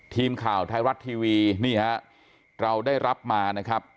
ทีมข่าวไทยรัฐทีวีนี่ฮะเราได้รับมานะครับ